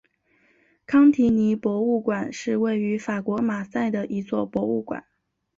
康提尼博物馆是位于法国马赛的一座博物馆。